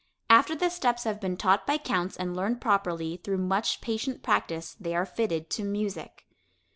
After the steps have been taught by counts and learned properly, through much patient practice, they are fitted to music.